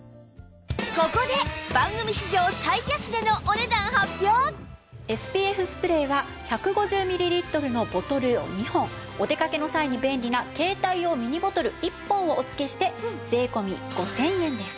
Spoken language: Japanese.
ここで ＳＰＦ スプレーは１５０ミリリットルのボトルを２本お出かけの際に便利な携帯用ミニボトル１本をお付けして税込５０００円です。